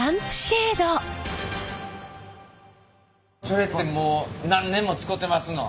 それってもう何年も使てますの？